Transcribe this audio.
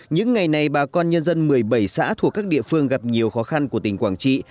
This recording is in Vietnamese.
những ngày này bà con nhân dân một mươi bảy xã thuộc các địa phương gặp nhiều khó khăn của tỉnh quảng trị